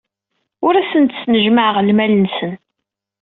Ur asen-d-snejmaɛeɣ lmal-nsen.